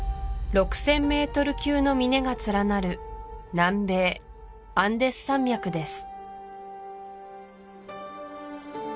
６０００ｍ級の峰が連なる南米アンデス山脈です